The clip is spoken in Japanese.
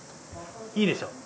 いいでしょ。